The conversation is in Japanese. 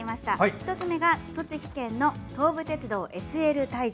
１つ目が栃木県の東武鉄道ＳＬ大樹。